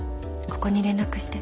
ここに連絡して